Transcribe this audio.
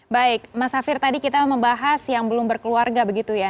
baik mas hafir tadi kita membahas yang belum berkeluarga begitu ya